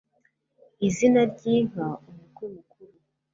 izina ry'inka umukwe mukuru